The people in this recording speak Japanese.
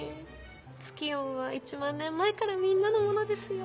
ツキヨンは１万年前からみんなのものですよ。